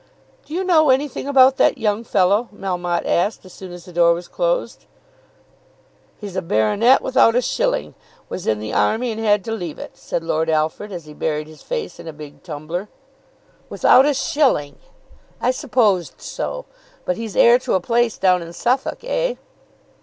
"Do you know anything about that young fellow?" Melmotte asked as soon as the door was closed. "He's a baronet without a shilling; was in the army and had to leave it," said Lord Alfred as he buried his face in a big tumbler. "Without a shilling! I supposed so. But he's heir to a place down in Suffolk; eh?"